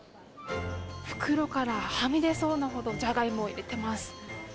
袋からはみ出そうなほど、ジャガイモを入れています。